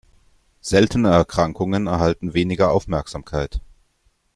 Seltene Erkrankungen erhalten weniger Aufmerksamkeit.